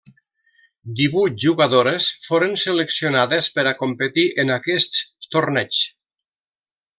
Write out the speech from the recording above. Divuit jugadores foren seleccionades per a competir en aquests torneigs.